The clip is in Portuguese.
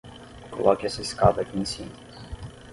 Coloque essa escada aqui em cima.